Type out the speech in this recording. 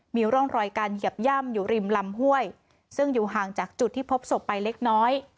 มีร่องรอยการเหยียบย่ำอยู่ริมลำห้วยซึ่งอยู่ห่างจากจุดที่พบศพไปเล็กน้อย